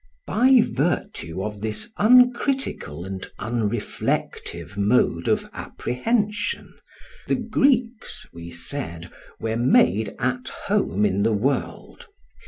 By virtue of this uncritical and unreflective mode of apprehension the Greeks, we said, were made at home in the world.